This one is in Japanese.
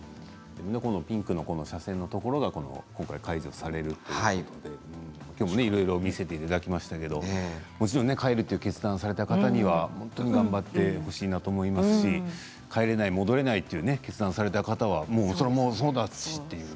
ピンクの斜線のところが今回、解除されるということでいろいろ見せていただきましたけれどももちろん帰るという決断をされた方には本当に頑張ってほしいなと思いますし帰れない、戻れないという決断をされた方もそれはそうだしという。